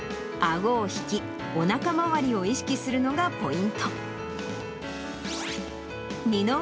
あごを引き、おなか周りを意識するのがポイント。